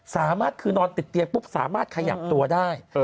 สามารถคือนอนติดเตียงปุ๊บสามารถขยับตัวได้